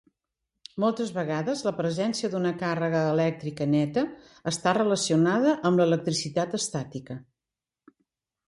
Moltes vegades la presència d'una càrrega elèctrica neta està relacionada amb l'electricitat estàtica.